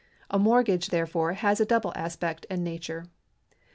A mortgage, therefore, has a double aspect and nature.